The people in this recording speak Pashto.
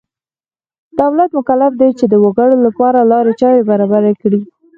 دولت مکلف دی چې د وګړو لپاره لارې چارې برابرې کړي.